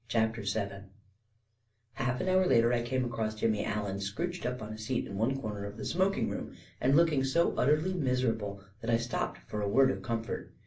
CHAPTER VII Half an hour later I came across Jimmy Allen scrooched up on a seat in one corner of the smoking room and looking so utterly miserable that I stopped for a word of comfort.